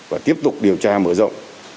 và tiếp tục điều tra mở rộng